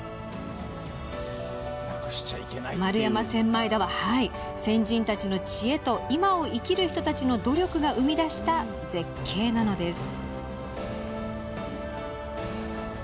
丸山千枚田は先人たちの知恵と今を生きる人たちの努力が生み出した絶景なのです。